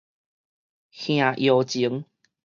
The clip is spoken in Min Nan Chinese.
瓦窯前